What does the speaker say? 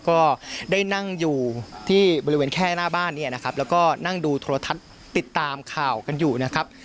ก็ได้นั่งอยู่ที่บริเวณแค่หน้าบ้านเนี่ยนะครับแล้วก็นั่งดูโทรทัศน์ติดตามข่าวกันอยู่นะครับ